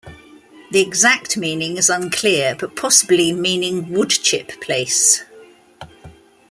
The exact meaning is unclear, but possibly meaning 'wood-chip place'.